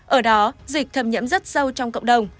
ở đó dịch thẩm nhiễm rất sâu trong cộng đồng